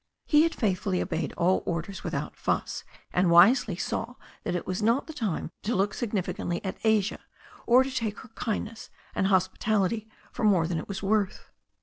He had faithfully obeyed all orders without fuss, and wisely saw that it was not the time to look significantly at Asia, or to take her kindness and hospitality for more than it was worth.